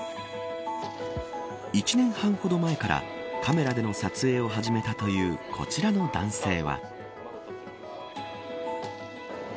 １年半ほど前からカメラでの撮影を始めたというこちらの男性は。